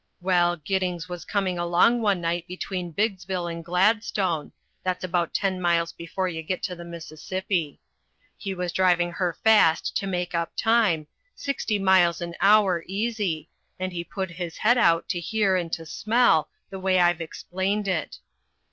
Well, Giddings was coming along one night between Biggsville and Gladstone that's about ten miles before you get to the Mississippi. He was driving her fast to make up time, sixty miles an hour easy, and he put his head out to hear and to smell, the way I've explained it.